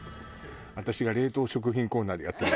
私が冷凍食品コーナーでやってる。